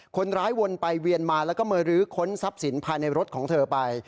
วนไปเวียนมาแล้วก็มารื้อค้นทรัพย์สินภายในรถของเธอไป